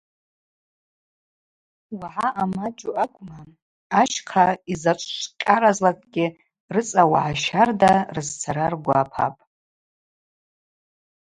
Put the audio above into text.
Уагӏа ъамачӏу акӏвма, ащхъа йзачӏвчвкъьаразлакӏгьи рыцӏа уагӏа щарда рызцара ргвапапӏ.